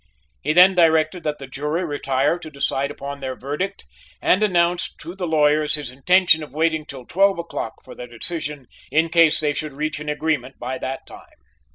He then directed that the jury retire to decide upon their verdict, and announced to the lawyers his intention of waiting till twelve o'clock for their decision, in case they should reach an agreement by that time.